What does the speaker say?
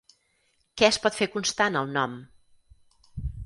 Què es pot fer constar en el nom?